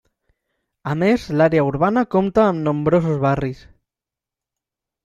A més l'àrea urbana compta amb nombrosos barris.